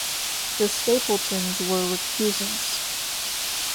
The Stapletons were recusants.